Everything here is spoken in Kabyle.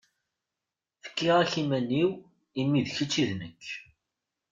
Fkiɣ-ak iman-iw imi d kečč i d nekk.